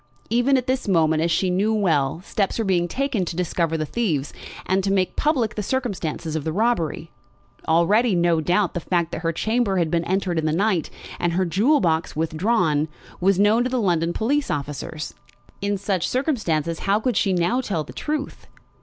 Even at this moment, as she knew well, steps were being taken to discover the thieves, and to make public the circumstances of the robbery. Already, no doubt, the fact that her chamber had been entered in the night, and her jewel box withdrawn, was known to the London police officers. In such circumstances how could she now tell the truth?